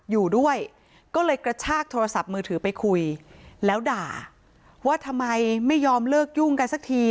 อยู่ด้วยก็เลยกระชากโทรศัพท์มือถือไปคุยแล้วด่าว่าทำไมไม่ยอมเลิกยุ่งกันสักที